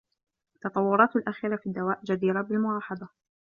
التطورات الاخيرة في الدواء جديرة بالملاحظة